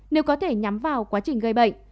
nếu có thể nhắm vào quá trình gây bệnh